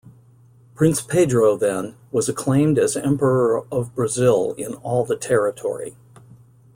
Prince Pedro, then, was acclaimed as Emperor of Brazil in all the territory.